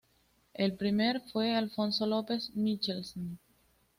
El primer fue Alfonso López Michelsen.